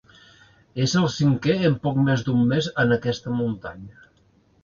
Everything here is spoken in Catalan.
És el cinquè en poc més d'un mes en aquesta muntanya.